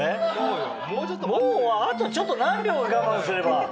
もうあとちょっと何秒か我慢すれば。